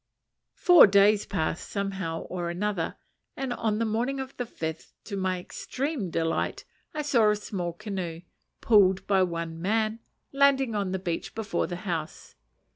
Four days passed, somehow or another, and on the morning of the fifth, to my extreme delight, I saw a small canoe, pulled by one man, landing on the beach before the house.